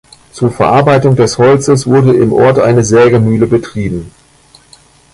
Zur Verarbeitung des Holzes wurde im Ort eine Sägemühle betrieben.